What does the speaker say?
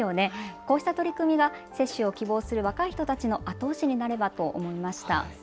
こうした取り組みが接種を希望する若い人たちの後押しになればと思いました。